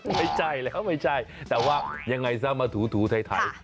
ไม่ใช่เลยครับแต่ว่ายังไงซะมาถูถ่าย